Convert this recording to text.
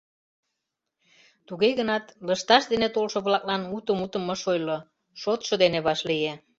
Туге гынат, «лышташ» дене толшо-влаклан уто мутым ыш ойло, шотшо дене вашлие.